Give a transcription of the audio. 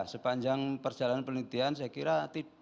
sepanjang perjalanan penelitian saya kira